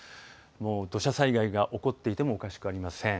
もう土砂災害が起こっていてもおかしくありません。